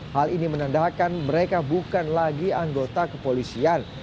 hal ini menandakan mereka bukan lagi anggota kepolisian